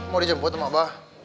mau dijemput sama abah